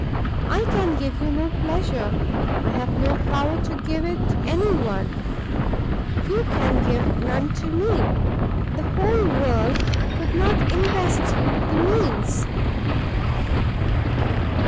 I can give you no pleasure, I have no power to give it any one; you can give none to me the whole world could not invest you with the means!"